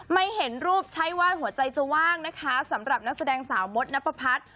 ไม่เห็นรูปใช้ว่าหัวใจจะว่างนะคะสำหรับนักแสดงสาวมดนับประพัฒน์